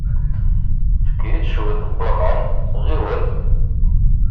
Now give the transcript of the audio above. Efk-iyi-d cwiṭ n waman. Ɣiwel!